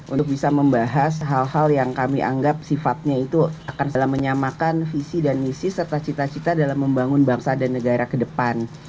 untuk bisa membahas hal hal yang kami anggap sifatnya itu akan dalam menyamakan visi dan misi serta cita cita dalam membangun bangsa dan negara ke depan